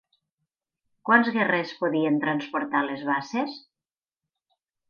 Quants guerrers podien transportar les basses?